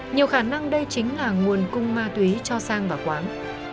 nhiều khả năng đây chính là nguồn cung ma túy cho sang và quán